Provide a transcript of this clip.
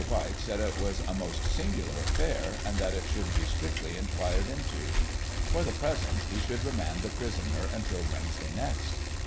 White said it was a most singular affair, and that it should be strictly inquired inta For the present, he should remand the prisoner until Wednesday next.